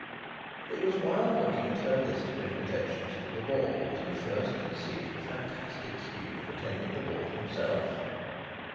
It was while looking at her list of invitations to the ball that he first conceived the fantastic scheme of attending the ball himself.